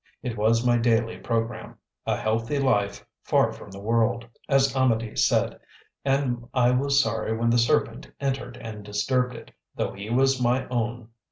It was my daily programme; a healthy life "far from the world," as Amedee said, and I was sorry when the serpent entered and disturbed it, though he was my own.